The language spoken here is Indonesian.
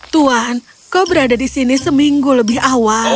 tuan kau berada di sini seminggu lebih awal